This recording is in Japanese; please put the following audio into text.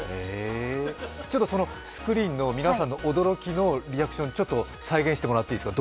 そのスクリーンの皆さんの驚きのリアクション、ちょっと再現してもらっていいですか？